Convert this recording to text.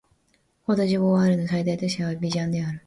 コートジボワールの最大都市はアビジャンである